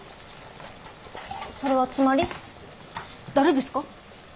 それはつまり誰ですか？